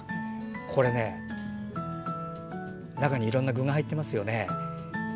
これね、中にいろんな具が入っていますよね。